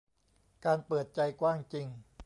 การเปิดใจกว้างจริง